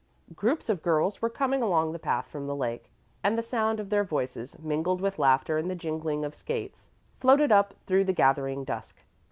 Groups of girls were coming along the path from the lake, and the sound of their voices, mingled with laughter and the jingling of skates, floated up through the gathering dusk.